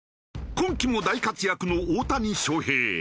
今季も大活躍の大谷翔平。